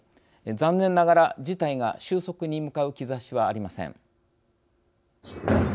残念ながら、事態が収束に向かう兆しはありません。